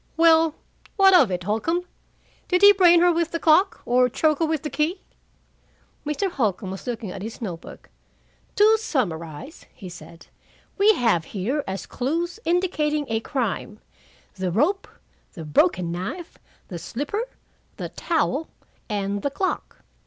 Well, what of it, Holcombe? Did he brain her with the clock? Or choke her with the key?" Mr. Holcombe was looking at his note book. "To summarize," he said, "we have here as clues indicating a crime, the rope, the broken knife, the slipper, the towel, and the clock.